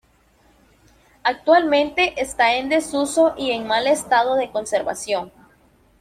Actualmente está en desuso y en mal estado de conservación.